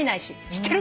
知ってる？